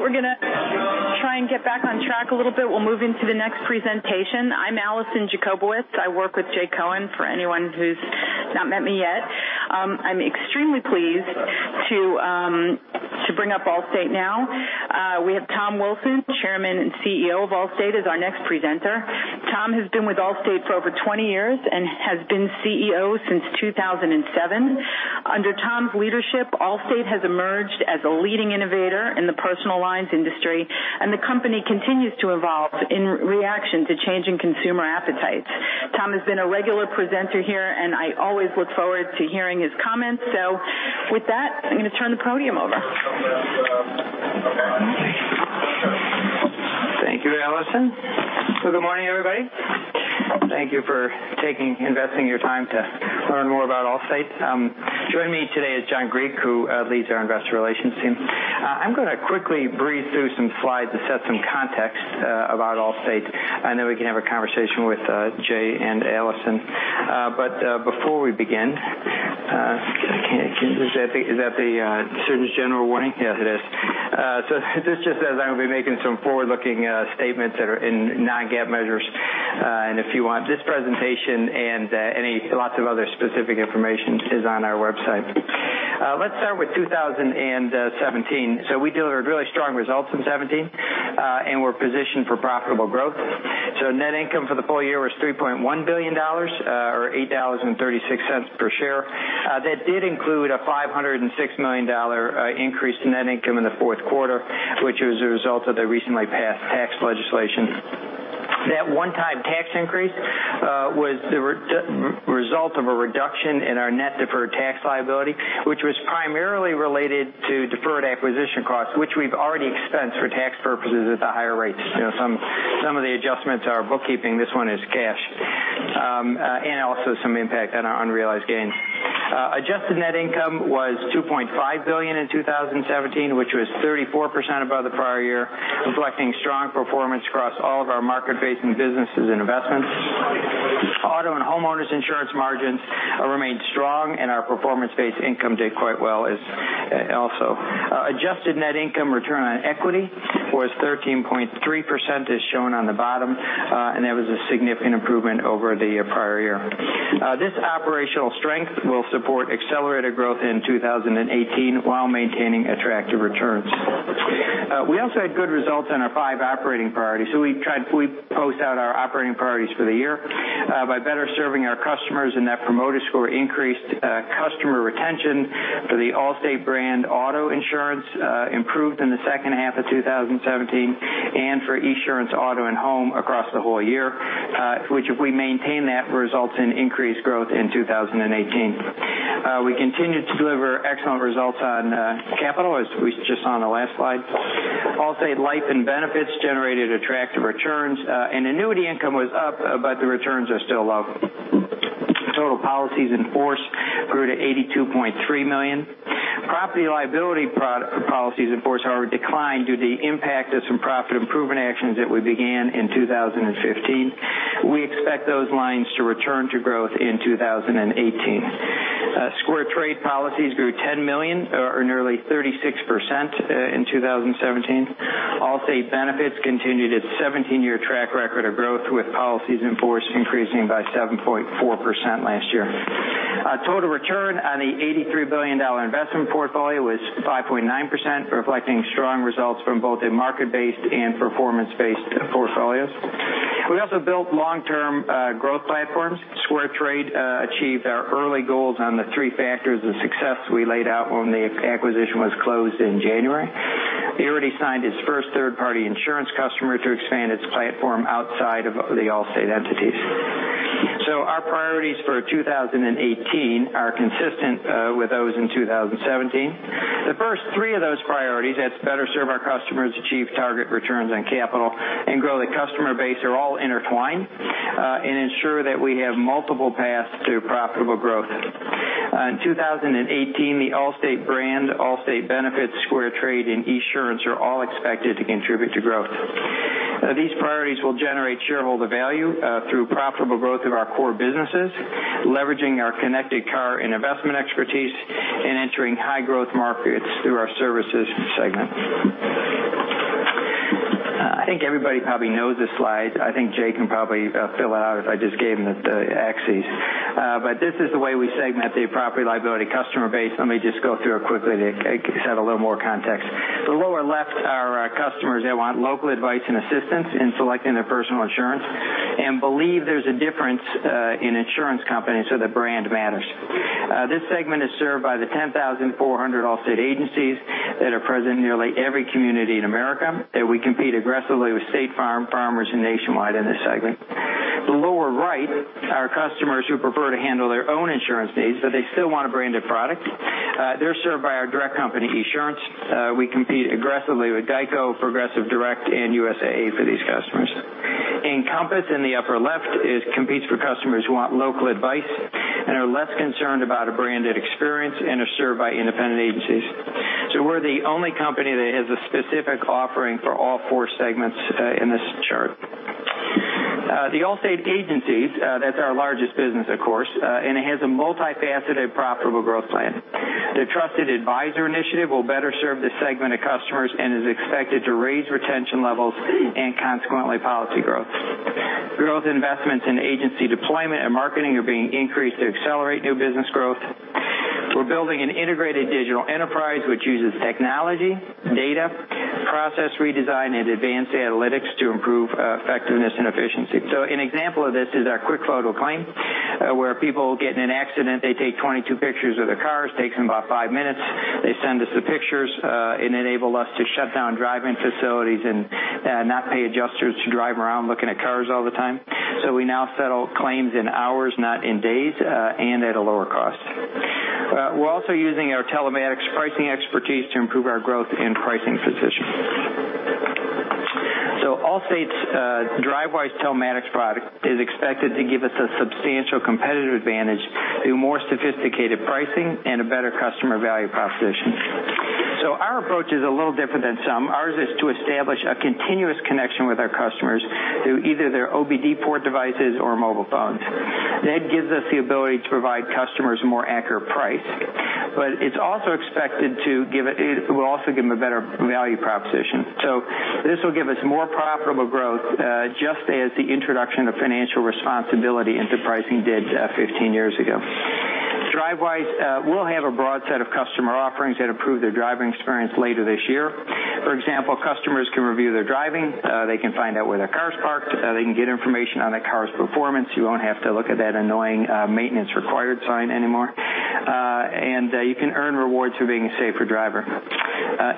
All right, we're going to try and get back on track a little bit. We'll move into the next presentation. I'm Alison Jacobowitz. I work with Jay Cohen, for anyone who's not met me yet. I'm extremely pleased to bring up Allstate now. We have Tom Wilson, Chairman and CEO of Allstate, as our next presenter. Tom has been with Allstate for over 20 years and has been CEO since 2007. Under Tom's leadership, Allstate has emerged as a leading innovator in the personal lines industry, and the company continues to evolve in reaction to changing consumer appetites. Tom has been a regular presenter here, and I always look forward to hearing his comments. With that, I'm going to turn the podium over. Thank you, Alison. Good morning, everybody. Thank you for investing your time to learn more about Allstate. Joining me today is John Grieco, who leads our investor relations team. I'm going to quickly breeze through some slides to set some context about Allstate, then we can have a conversation with Jay and Alison. Before we begin, is that the Surgeon General warning? Yes, it is. This just says I will be making some forward-looking statements that are in non-GAAP measures. If you want this presentation and lots of other specific information is on our website. Let's start with 2017. We delivered really strong results in 2017, and we're positioned for profitable growth. Net income for the full year was $3.1 billion, or $8.36 per share. That did include a $506 million increase in net income in the fourth quarter, which was a result of the recently passed tax legislation. That one-time tax increase was the result of a reduction in our net deferred tax liability, which was primarily related to deferred acquisition costs, which we've already expensed for tax purposes at the higher rates. Some of the adjustments are bookkeeping. This one is cash. Also some impact on our unrealized gains. Adjusted net income was $2.5 billion in 2017, which was 34% above the prior year, reflecting strong performance across all of our market-facing businesses and investments. Auto and homeowners insurance margins remained strong, and our performance-based income did quite well also. Adjusted net income return on equity was 13.3%, as shown on the bottom, that was a significant improvement over the prior year. This operational strength will support accelerated growth in 2018 while maintaining attractive returns. We also had good results on our five operating priorities. We post out our operating priorities for the year by better serving our customers, and that promoter score increased customer retention for the Allstate brand auto insurance improved in the second half of 2017 and for Esurance auto and home across the whole year, which if we maintain that, results in increased growth in 2018. We continued to deliver excellent results on capital, as we just saw on the last slide. Allstate Life and Allstate Benefits generated attractive returns, annuity income was up, the returns are still low. Total policies in force grew to 82.3 million. Property liability policies, in force, however, declined due to the impact of some profit improvement actions that we began in 2015. We expect those lines to return to growth in 2018. SquareTrade policies grew $10 million, or nearly 36%, in 2017. Allstate Benefits continued its 17-year track record of growth, with policies in force increasing by 7.4% last year. Total return on the $83 billion investment portfolio was 5.9%, reflecting strong results from both a market-based and performance-based portfolios. We also built long-term growth platforms. SquareTrade achieved our early goals on the three factors of success we laid out when the acquisition was closed in January. It already signed its first third-party insurance customer to expand its platform outside of the Allstate entities. Our priorities for 2018 are consistent with those in 2017. The first three of those priorities, that's better serve our customers, achieve target returns on capital, and grow the customer base are all intertwined and ensure that we have multiple paths to profitable growth. In 2018, the Allstate brand, Allstate Benefits, SquareTrade, and Esurance are all expected to contribute to growth. These priorities will generate shareholder value through profitable growth of our core businesses, leveraging our connected car and investment expertise, and entering high-growth markets through our services segment. I think everybody probably knows this slide. I think Jay can probably fill it out if I just gave him the axes. This is the way we segment the property liability customer base. Let me just go through it quickly to set a little more context. The lower left are our customers that want local advice and assistance in selecting their personal insurance and believe there's a difference in insurance companies, so the brand matters. This segment is served by the 10,400 Allstate agencies that are present in nearly every community in America, that we compete aggressively with State Farm, Farmers, and Nationwide in this segment. The lower right are customers who prefer to handle their own insurance needs, but they still want a branded product. They're served by our direct company, Esurance. We compete aggressively with GEICO, Progressive Direct, and USAA for these customers. Encompass in the upper left competes for customers who want local advice and are less concerned about a branded experience and are served by independent agencies. We're the only company that has a specific offering for all four segments in this chart. The Allstate agencies, that's our largest business, of course, and it has a multifaceted profitable growth plan. Their Trusted Advisor initiative will better serve this segment of customers and is expected to raise retention levels and consequently, policy growth. Growth investments in agency deployment and marketing are being increased to accelerate new business growth. We're building an integrated digital enterprise which uses technology, data, process redesign, and advanced analytics to improve effectiveness and efficiency. An example of this is our QuickFoto Claim, where people get in an accident, they take 22 pictures of their cars, takes them about five minutes. They send us the pictures, and enable us to shut down drive-in facilities and not pay adjusters to drive around looking at cars all the time. We now settle claims in hours, not in days, and at a lower cost. We're also using our telematics pricing expertise to improve our growth and pricing position. Allstate's Drivewise telematics product is expected to give us a substantial competitive advantage through more sophisticated pricing and a better customer value proposition. Our approach is a little different than some. Ours is to establish a continuous connection with our customers through either their OBD port devices or mobile phones. That gives us the ability to provide customers a more accurate price. But it will also give them a better value proposition. This will give us more profitable growth, just as the introduction of financial responsibility into pricing did 15 years ago. Drivewise will have a broad set of customer offerings that improve their driving experience later this year. For example, customers can review their driving, they can find out where their car's parked, they can get information on their car's performance. You won't have to look at that annoying maintenance required sign anymore. You can earn rewards for being a safer driver.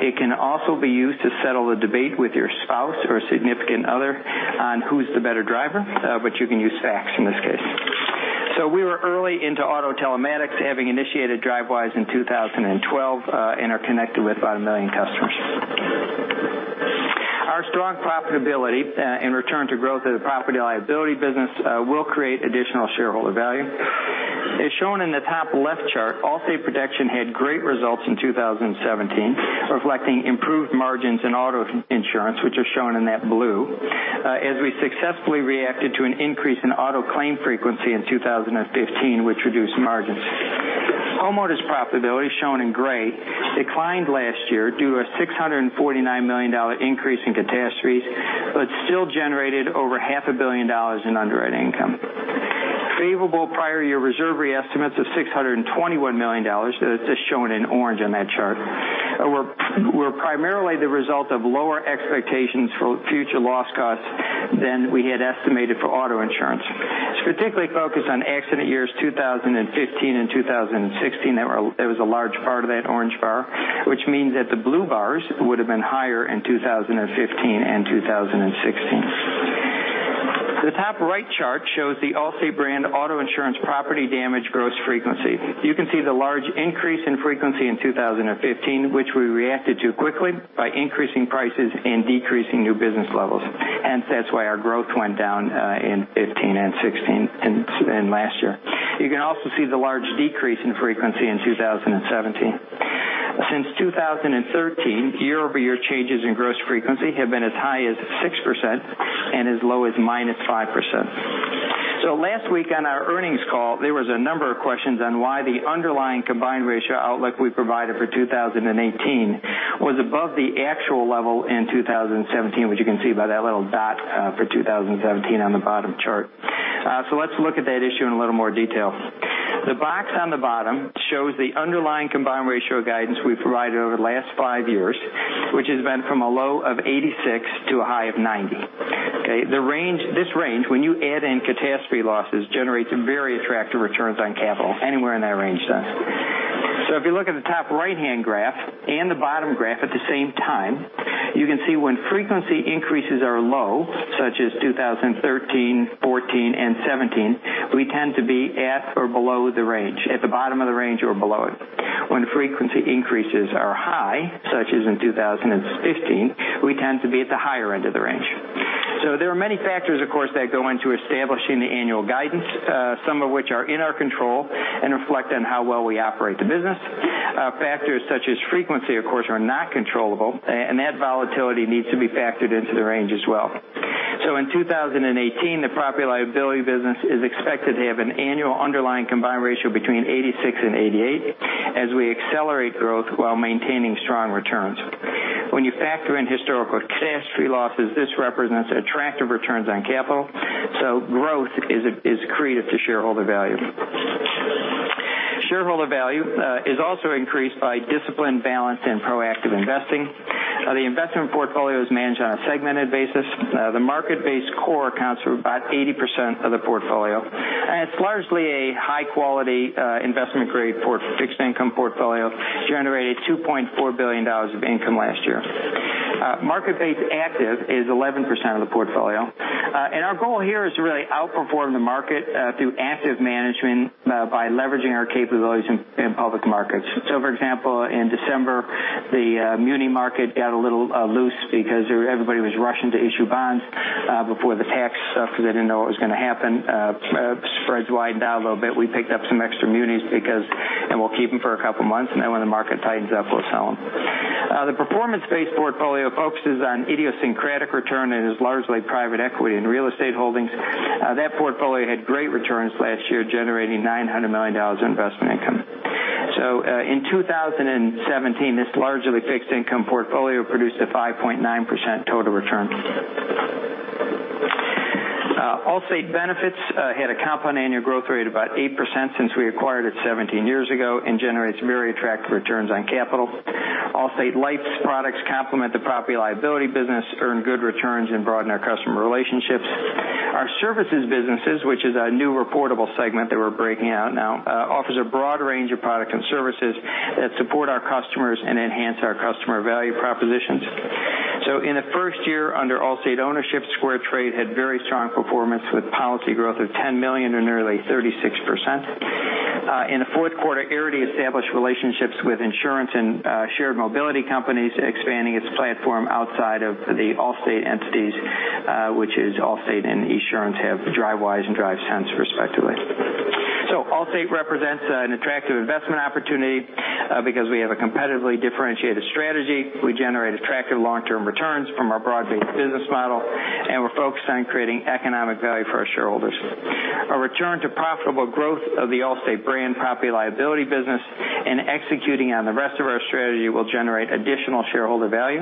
It can also be used to settle a debate with your spouse or significant other on who's the better driver, but you can use facts in this case. We were early into auto telematics, having initiated Drivewise in 2012, and are connected with about a million customers. Our strong profitability and return to growth of the property and liability business will create additional shareholder value. As shown in the top left chart, Allstate Protection had great results in 2017, reflecting improved margins in auto insurance, which are shown in that blue, as we successfully reacted to an increase in auto claim frequency in 2015, which reduced margins. Homeowners profitability, shown in gray, declined last year due to a $649 million increase in catastrophes, but still generated over half a billion dollars in underwriting income. Favorable prior year reserve re-estimates of $621 million, that's just shown in orange on that chart, were primarily the result of lower expectations for future loss costs than we had estimated for auto insurance. It's particularly focused on accident years 2015 and 2016, that was a large part of that orange bar, which means that the blue bars would've been higher in 2015 and 2016. The top right chart shows the Allstate brand auto insurance property damage gross frequency. You can see the large increase in frequency in 2015, which we reacted to quickly by increasing prices and decreasing new business levels. Hence, that's why our growth went down in 2015 and 2016, and last year. You can also see the large decrease in frequency in 2017. Since 2013, year-over-year changes in gross frequency have been as high as 6% and as low as -5%. Last week on our earnings call, there was a number of questions on why the underlying combined ratio outlook we provided for 2018 was above the actual level in 2017, which you can see by that little dot for 2017 on the bottom chart. Let's look at that issue in a little more detail. The box on the bottom shows the underlying combined ratio guidance we've provided over the last five years, which has been from a low of 86 to a high of 90. This range, when you add in catastrophe losses, generates very attractive returns on capital anywhere in that range then. If you look at the top right-hand graph and the bottom graph at the same time, you can see when frequency increases are low, such as 2013, '14, and '17, we tend to be at or below the range, at the bottom of the range or below it. When frequency increases are high, such as in 2015, we tend to be at the higher end of the range. There are many factors, of course, that go into establishing the annual guidance, some of which are in our control and reflect on how well we operate the business. Factors such as frequency, of course, are not controllable, and that volatility needs to be factored into the range as well. In 2018, the property and liability business is expected to have an annual underlying combined ratio between 86%-88% as we accelerate growth while maintaining strong returns. When you factor in historical catastrophe losses, this represents attractive returns on capital, so growth is accretive to shareholder value. Shareholder value is also increased by disciplined, balanced, and proactive investing. The investment portfolio is managed on a segmented basis. The market-based core accounts for about 80% of the portfolio, and it's largely a high-quality, investment-grade fixed income portfolio, generated $2.4 billion of income last year. Market-based active is 11% of the portfolio. And our goal here is to really outperform the market through active management by leveraging our capabilities in public markets. For example, in December, the muni market got a little loose because everybody was rushing to issue bonds before the tax stuff because they didn't know what was going to happen. Spreads widened out a little bit. We picked up some extra munis because, and we'll keep them for a couple of months, and then when the market tightens up, we'll sell them. The performance-based portfolio focuses on idiosyncratic return and is largely private equity and real estate holdings. That portfolio had great returns last year, generating $900 million in investment income. In 2017, this largely fixed income portfolio produced a 5.9% total return. Allstate Benefits had a compound annual growth rate about 8% since we acquired it 17 years ago and generates very attractive returns on capital. Allstate Life's products complement the property liability business, earn good returns, and broaden our customer relationships. Our services businesses, which is a new reportable segment that we're breaking out now, offers a broad range of products and services that support our customers and enhance our customer value propositions. In the first year under Allstate ownership, SquareTrade had very strong performance with policy growth of 10 million and nearly 36%. In the fourth quarter, Arity established relationships with insurance and shared mobility companies, expanding its platform outside of the Allstate entities, which is Allstate and Esurance have Drivewise and DriveSense, respectively. Allstate represents an attractive investment opportunity because we have a competitively differentiated strategy, we generate attractive long-term returns from our broad-based business model, and we're focused on creating economic value for our shareholders. A return to profitable growth of the Allstate brand property and liability business and executing on the rest of our strategy will generate additional shareholder value.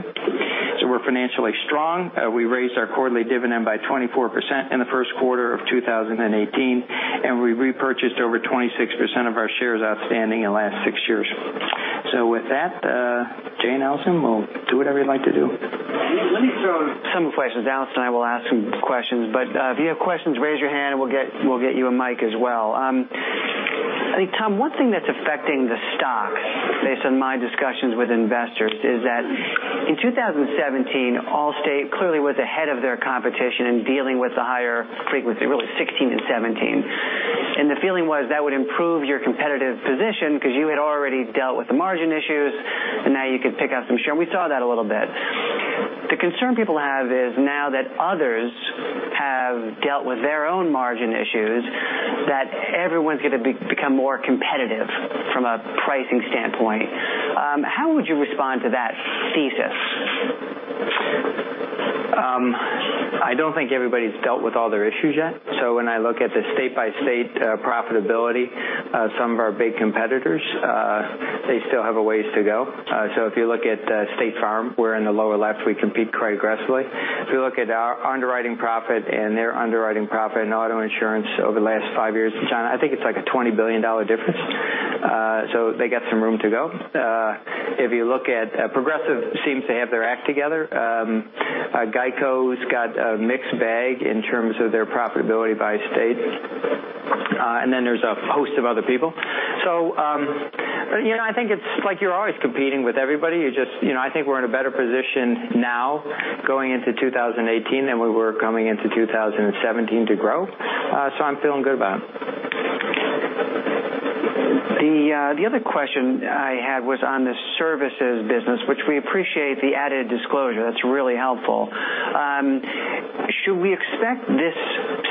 We're financially strong. We raised our quarterly dividend by 24% in the first quarter of 2018, and we repurchased over 26% of our shares outstanding in the last six years. With that, Jay and Alison will do whatever you'd like to do. Let me throw some questions. Alison and I will ask some questions, but if you have questions, raise your hand and we'll get you a mic as well. I think, Tom, one thing that's affecting the stock, based on my discussions with investors, is that in 2017, Allstate clearly was ahead of their competition in dealing with the higher frequency, really 2016 and 2017. The feeling was that would improve your competitive position because you had already dealt with the margin issues, and now you could pick up some share, and we saw that a little bit. The concern people have is now that others have dealt with their own margin issues, that everyone's going to become more competitive from a pricing standpoint. How would you respond to that thesis? I don't think everybody's dealt with all their issues yet. When I look at the state-by-state profitability of some of our big competitors, they still have a ways to go. If you look at State Farm, we're in the lower left, we compete quite aggressively. If you look at our underwriting profit and their underwriting profit in auto insurance over the last five years, John, I think it's like a $20 billion difference. They got some room to go. If you look at Progressive, seems to have their act together. GEICO's got a mixed bag in terms of their profitability by state. Then there's a host of other people. I think it's like you're always competing with everybody. I think we're in a better position now going into 2018 than we were coming into 2017 to grow. I'm feeling good about it. The other question I had was on the services business, which we appreciate the added disclosure. That's really helpful. Should we expect this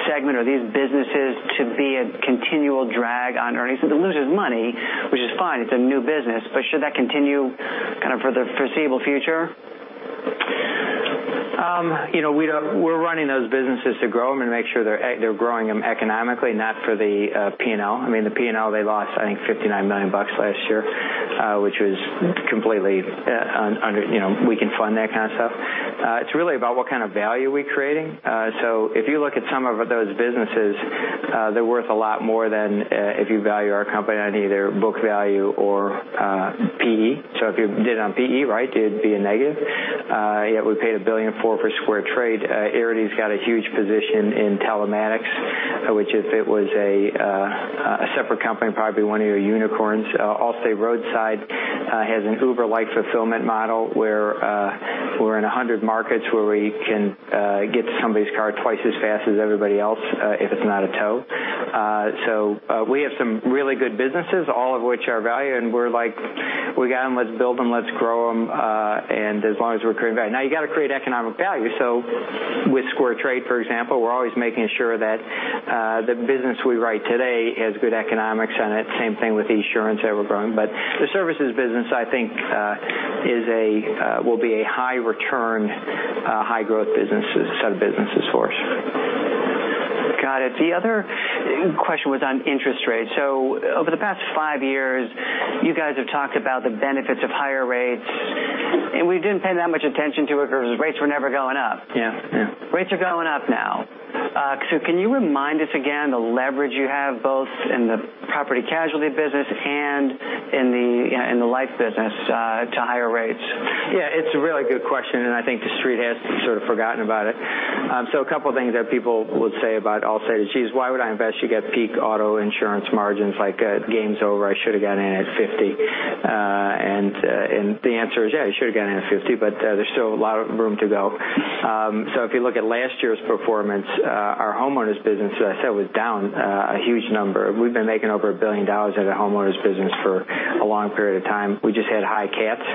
segment or these businesses to be a continual drag on earnings? It loses money, which is fine, it's a new business, but should that continue for the foreseeable future? We're running those businesses to grow them and make sure they're growing them economically, not for the P&L. I mean, the P&L, they lost, I think, $59 million last year, which was completely. We can fund that kind of stuff. It's really about what kind of value we're creating. If you look at some of those businesses, they're worth a lot more than if you value our company on either book value or P/E. If you did it on P/E, it'd be a negative. Yet we paid $1.4 billion for SquareTrade. Arity's got a huge position in telematics, which if it was a separate company, it'd probably be one of your unicorns. Allstate Roadside has an Uber-like fulfillment model where we're in 100 markets where we can get to somebody's car twice as fast as everybody else if it's not a tow. We have some really good businesses, all of which are value, and we're like, "We got them, let's build them, let's grow them," and as long as we're creating value. Now you got to create economic value. With SquareTrade, for example, we're always making sure that the business we write today has good economics on it. Same thing with Esurance that we're growing. The services business, I think, will be a high return, high growth set of businesses for us. Got it. The other question was on interest rates. Over the past five years, you guys have talked about the benefits of higher rates, and we didn't pay that much attention to it because rates were never going up. Yeah. Rates are going up now. Can you remind us again the leverage you have both in the property casualty business and in the life business to higher rates? It's a really good question, and I think The Street has sort of forgotten about it. A couple things that people will say about Allstate is, "Jeez, why would I invest? You get peak auto insurance margins, like game's over. I should've got in at 50." The answer is, yeah, you should've got in at 50, but there's still a lot of room to go. If you look at last year's performance, our homeowners business, as I said, was down a huge number. We've been making over $1 billion out of the homeowners business for a long period of time. We just had high caps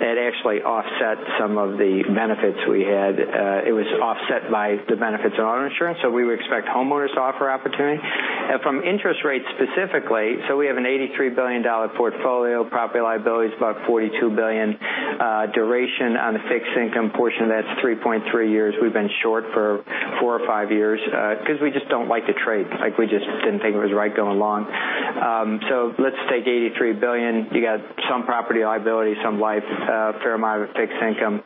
that actually offset some of the benefits we had. It was offset by the benefits of auto insurance, we would expect homeowners to offer opportunity. From interest rates specifically, we have an $83 billion portfolio, property liability's about $42 billion, duration on the fixed income portion, that's 3.3 years. We've been short for four or five years because we just don't like to trade. We just didn't think it was right going long. Let's take $83 billion. You got some property liability, some life, fair amount of fixed income.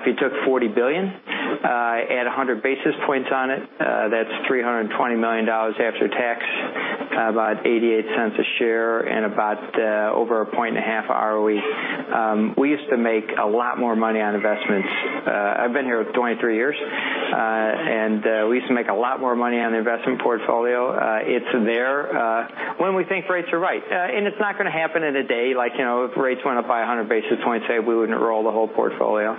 If you took $40 billion, add 100 basis points on it, that's $320 million after tax, about $0.88 a share, and about over a point and a half ROE. We used to make a lot more money on investments. I've been here 23 years, we used to make a lot more money on the investment portfolio. It's there when we think rates are right. It's not going to happen in a day. If rates went up by 100 basis points today, we wouldn't roll the whole portfolio.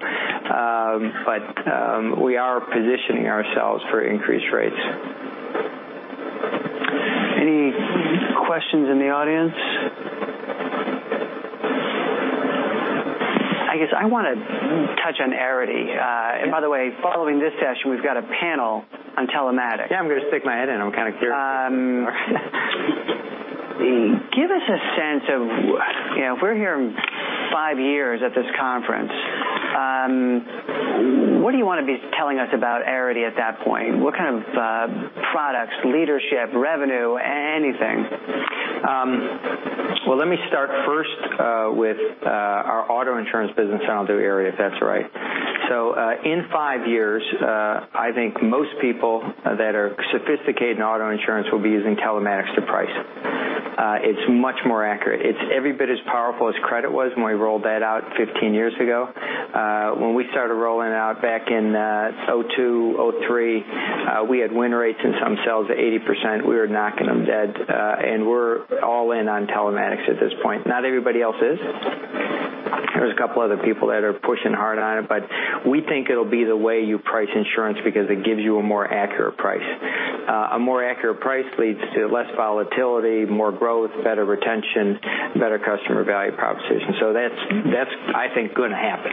We are positioning ourselves for increased rates. Any questions in the audience? I guess I want to touch on Arity. By the way, following this session, we've got a panel on telematics. I'm going to stick my head in. I'm kind of curious. Give us a sense of if we're here in five years at this conference, what do you want to be telling us about Arity at that point? What kind of products, leadership, revenue, anything? Let me start first with our auto insurance business, and I'll do Arity if that's all right. In five years, I think most people that are sophisticated in auto insurance will be using telematics to price. It's much more accurate. It's every bit as powerful as credit was when we rolled that out 15 years ago. When we started rolling out back in 2002, 2003, we had win rates in some sales of 80%. We were knocking them dead, and we're all in on telematics at this point. Not everybody else is. There's a couple other people that are pushing hard on it, but we think it'll be the way you price insurance because it gives you a more accurate price. A more accurate price leads to less volatility, more growth, better retention, better customer value proposition. That's, I think, going to happen.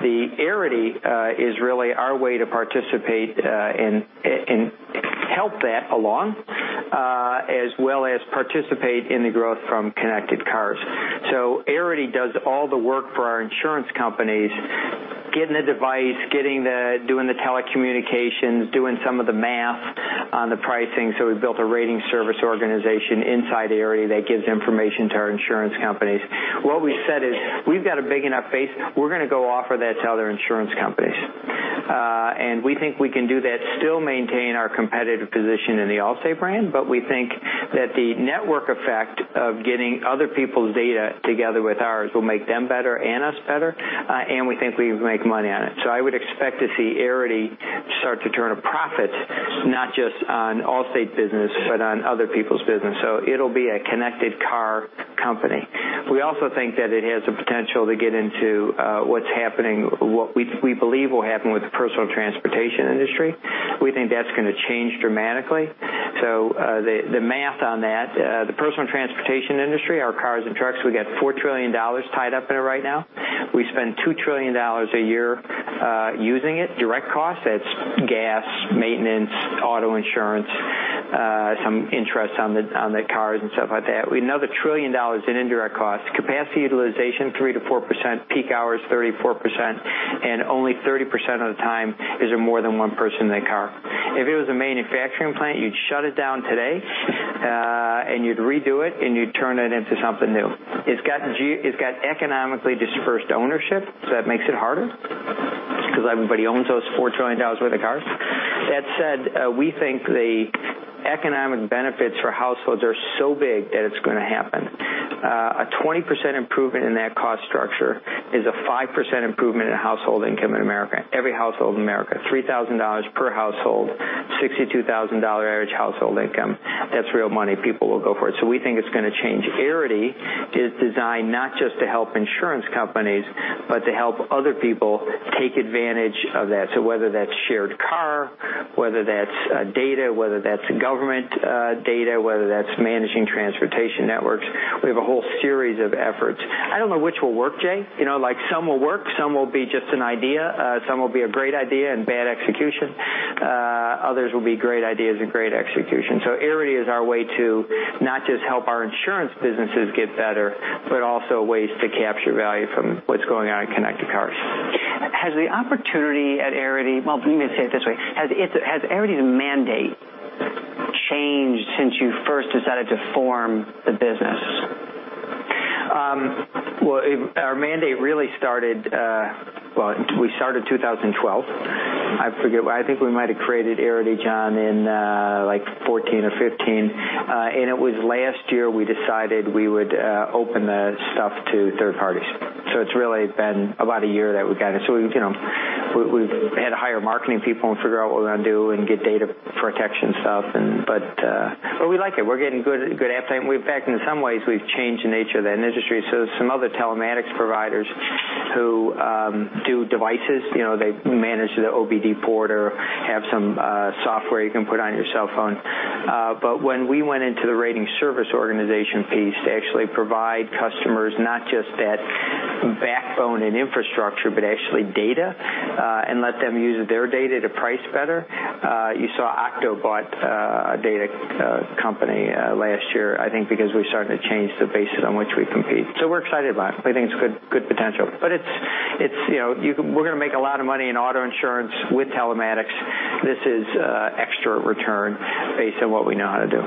The Arity is really our way to participate and help that along, as well as participate in the growth from connected cars. Arity does all the work for our insurance companies, getting the device, doing the telecommunications, doing some of the math on the pricing. We built a rating service organization inside Arity that gives information to our insurance companies. What we said is, we've got a big enough base, we're going to go offer that to other insurance companies. We think we can do that, still maintain our competitive position in the Allstate brand, but we think that the network effect of getting other people's data together with ours will make them better and us better, and we think we can make money on it. I would expect to see Arity start to turn a profit, not just on Allstate business, but on other people's business. It'll be a connected car company. We also think that it has the potential to get into what we believe will happen with the personal transportation industry. We think that's going to change dramatically. The math on that, the personal transportation industry, our cars and trucks, we got $4 trillion tied up in it right now. We spend $2 trillion a year using it. Direct cost, that's gas, maintenance, auto insurance, some interest on the cars and stuff like that. $1 trillion in indirect costs. Capacity utilization, 3%-4%, peak hours 34%, and only 30% of the time is there more than one person in the car. If it was a manufacturing plant, you'd shut it down today, you'd redo it, you'd turn it into something new. It's got economically dispersed ownership, that makes it harder because everybody owns those $4 trillion worth of cars. That said, we think the economic benefits for households are so big that it's going to happen. A 20% improvement in that cost structure is a 5% improvement in household income in America, every household in America, $3,000 per household, $62,000 average household income. That's real money. People will go for it. We think it's going to change. Arity is designed not just to help insurance companies, but to help other people take advantage of that. Whether that's shared car, whether that's data, whether that's government data, whether that's managing transportation networks, we have a whole series of efforts. I don't know which will work, Jay. Some will work, some will be just an idea, some will be a great idea and bad execution, others will be great ideas and great execution. Arity is our way to not just help our insurance businesses get better, but also ways to capture value from what's going on in connected cars. Has the opportunity at Arity. Well, let me say it this way. Has Arity's mandate changed since you first decided to form the business? Our mandate really started 2012. I think we might have created Arity, John, in 2014 or 2015. It was last year we decided we would open the stuff to third parties. It's really been about a year that we've had to hire marketing people and figure out what we're going to do and get data protection stuff. We like it. We're getting good appetite. In fact, in some ways, we've changed the nature of that industry. Some other telematics providers who do devices, they manage the OBD port or have some software you can put on your cell phone. When we went into the rating service organization piece to actually provide customers not just that backbone and infrastructure, but actually data, and let them use their data to price better, you saw Octo bought a data company last year, I think because we're starting to change the basis on which we compete. We're excited about it. We think it's good potential. We're going to make a lot of money in auto insurance with telematics. This is extra return based on what we know how to do.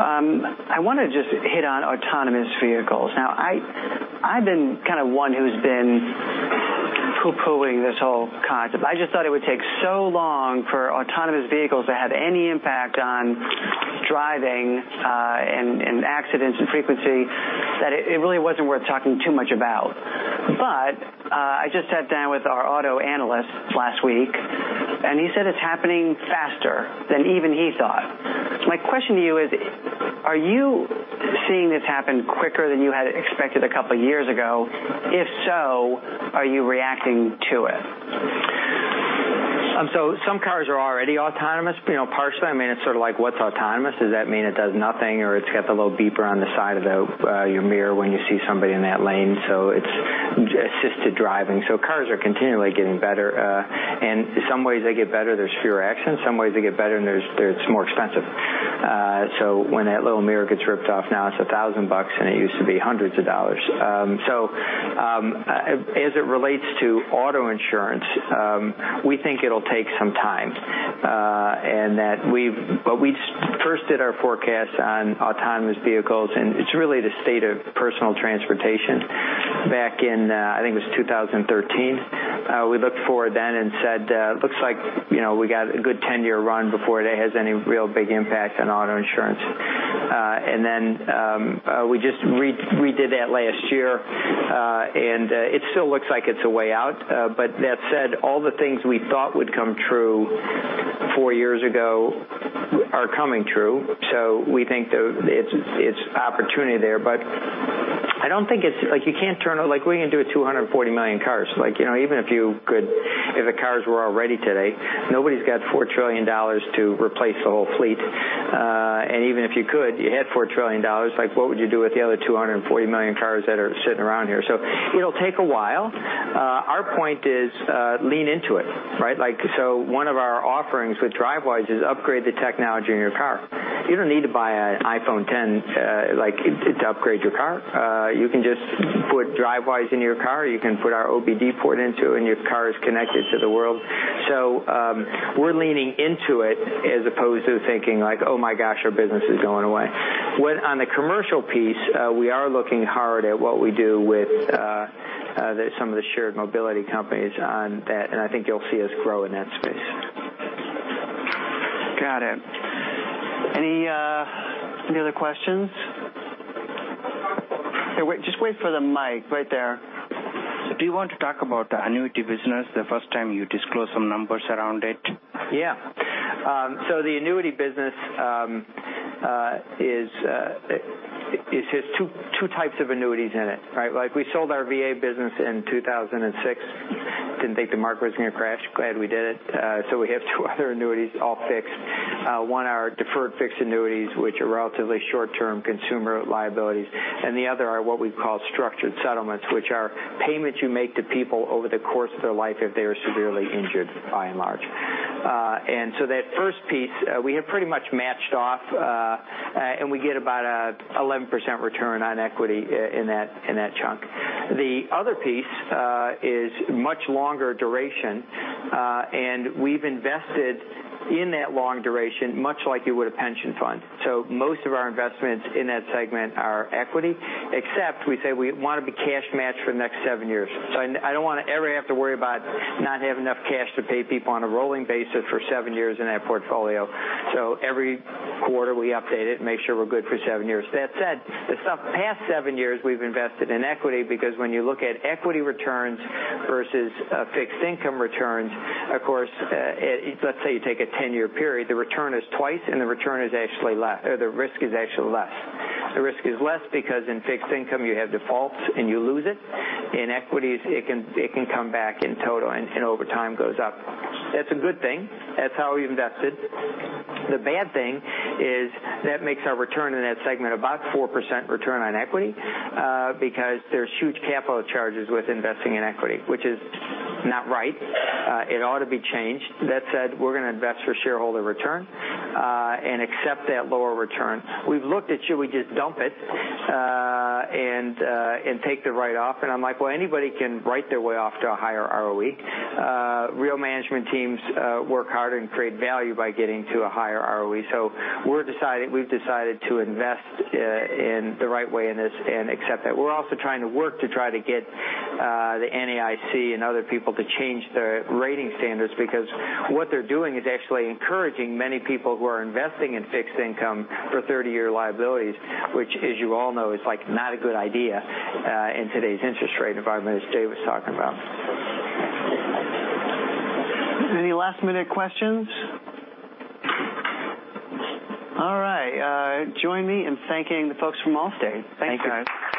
I want to just hit on autonomous vehicles. I've been one who's been poo-poohing this whole concept. I just thought it would take so long for autonomous vehicles to have any impact on driving, and accidents, and frequency, that it really wasn't worth talking too much about. I just sat down with our auto analyst last week, and he said it's happening faster than even he thought. My question to you is, are you seeing this happen quicker than you had expected a couple of years ago? If so, are you reacting to it? Some cars are already autonomous, partially. It's sort of like what's autonomous? Does that mean it does nothing, or it's got the little beeper on the side of your mirror when you see somebody in that lane? It's assisted driving. Cars are continually getting better, and some ways they get better, there's fewer accidents. Some ways they get better, and it's more expensive. When that little mirror gets ripped off, now it's $1,000, and it used to be hundreds of dollars. As it relates to auto insurance, we think it'll take some time. When we first did our forecast on autonomous vehicles, and it's really the state of personal transportation, back in, I think it was 2013. We looked forward then and said, looks like we got a good 10-year run before that has any real big impact on auto insurance. We just redid that last year, and it still looks like it's a way out. That said, all the things we thought would come true four years ago are coming true. We think it's opportunity there, but I don't think it's like we can do it to 240 million cars. Even if the cars were all ready today, nobody's got $4 trillion to replace the whole fleet. Even if you could, you had $4 trillion, what would you do with the other 240 million cars that are sitting around here? It'll take a while. Our point is, lean into it. Right? One of our offerings with Drivewise is upgrade the technology in your car. You don't need to buy an iPhone X to upgrade your car. You can just put Drivewise in your car, you can put our OBD port into it, and your car is connected to the world. We're leaning into it as opposed to thinking like, "Oh my gosh, our business is going away." On the commercial piece, we are looking hard at what we do with some of the shared mobility companies on that, and I think you'll see us grow in that space. Got it. Any other questions? Just wait for the mic. Right there. Do you want to talk about the annuity business, the first time you disclose some numbers around it? Yeah. The annuity business is 2 types of annuities in it, right? We sold our VA business in 2006, didn't think the market was going to crash, glad we did it. We have two other annuities, all fixed. One are deferred fixed annuities, which are relatively short-term consumer liabilities, and the other are what we call structured settlements, which are payments you make to people over the course of their life if they are severely injured, by and large. That first piece we have pretty much matched off, and we get about a 11% return on equity in that chunk. The other piece is much longer duration, and we've invested in that long duration, much like you would a pension fund. Most of our investments in that segment are equity, except we say we want to be cash matched for the next seven years. I don't want to ever have to worry about not having enough cash to pay people on a rolling basis for seven years in that portfolio. Every quarter we update it and make sure we're good for seven years. That said, the past seven years we've invested in equity because when you look at equity returns versus fixed income returns, of course, let's say you take a 10-year period, the return is twice and the risk is actually less. The risk is less because in fixed income, you have defaults, and you lose it. In equities, it can come back in total, and over time goes up. That's a good thing. That's how we've invested. The bad thing is that makes our return in that segment about 4% return on equity, because there's huge capital charges with investing in equity, which is not right. It ought to be changed. That said, we're going to invest for shareholder return, and accept that lower return. We've looked at should we just dump it, and take the write-off, and I'm like, well anybody can write their way off to a higher ROE. Real management teams work hard and create value by getting to a higher ROE. We've decided to invest in the right way in this and accept that. We're also trying to work to try to get the NAIC and other people to change their rating standards because what they're doing is actually encouraging many people who are investing in fixed income for 30-year liabilities, which as you all know, is not a good idea in today's interest rate environment as Dave was talking about. Any last-minute questions? All right. Join me in thanking the folks from Allstate. Thanks, guys.